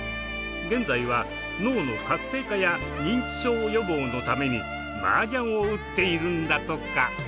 現在は脳の活性化や認知症予防のために麻雀を打っているんだとか。